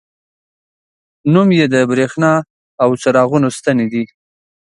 نوم یې د بریښنا او څراغونو ستنې دي.